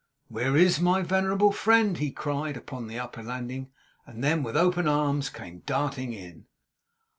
'Where is my venerable friend?' he cried upon the upper landing; and then with open arms came darting in.